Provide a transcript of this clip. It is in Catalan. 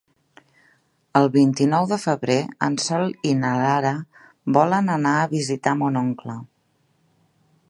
El vint-i-nou de febrer en Sol i na Lara volen anar a visitar mon oncle.